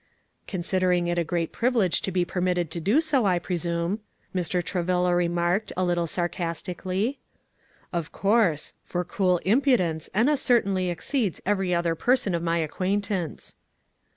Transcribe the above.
"Considering it a great privilege to be permitted to do so, I presume," Mr. Travilla remarked, a little sarcastically. "Of course; for cool impudence Enna certainly exceeds every other person of my acquaintance."